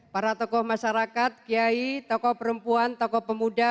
para tokoh masyarakat kiai tokoh perempuan tokoh pemuda